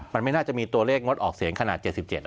มันไม่น่าจะมีตัวเลขงดออกเสียงขนาด๗๗